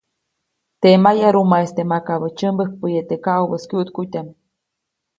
Teʼ mayarumaʼiste makabäʼ tsyämbäjkye teʼ kaʼubäʼis kyuʼtkutyaʼm.